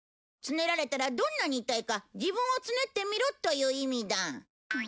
つねられたらどんなに痛いか自分をつねってみろという意味だ。